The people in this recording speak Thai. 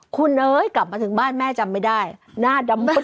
คุณเอ๋ยกลับมาถึงบ้านแม่จำไม่ได้หน้าดำมืด